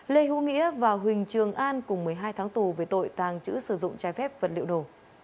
lê hữu nghĩa và huỳnh trường an cùng một mươi hai tháng tù về tội tàng trữ sử dụng trái phép vật liệu nổ